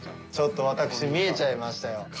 ちょっと私見えちゃいましたよ。